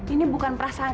ini bukan perang